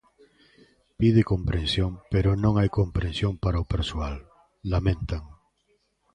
Pide comprensión pero non hai comprensión para o persoal, lamentan.